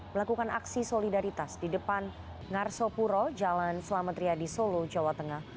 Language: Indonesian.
melakukan aksi solidaritas di depan ngarso puro jalan selametria di solo jawa tengah